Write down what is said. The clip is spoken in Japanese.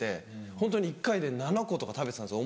ホントに１回で７個とか食べてたんですよ